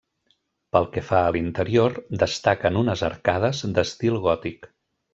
Pel que fa a l'interior, destaquen unes arcades d'estil gòtic.